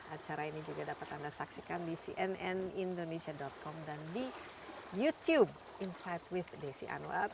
acara ini juga dapat anda saksikan di cnnindonesia com dan di youtube insight with desi anwar